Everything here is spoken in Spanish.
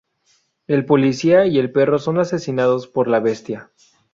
El policía y el perro son asesinados por la bestia.